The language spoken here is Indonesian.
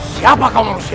siapa kau manusia